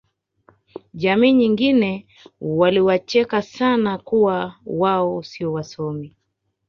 jamii nyingine waliwacheka sana kuwa wao sio wasomi